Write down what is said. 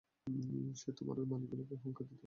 সে তোমার ঐ মালীগুলোকে হুংকার দিতে পারে।